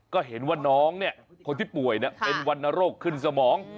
ก็เห็นว่าน้องเนี่ยคนที่ป่วยเป็นวรรณโรคขึ้นสมอง